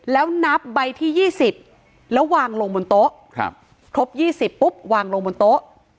แล้วนับใบที่๒๐แล้ววางลงบนโต๊ะครบ๒๐ปุ๊บวางลงบนโต๊ะ